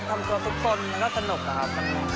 ทำตัวทุกคนมันก็สนุกอะครับ